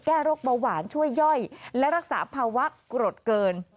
โรคเบาหวานช่วยย่อยและรักษาภาวะกรดเกิน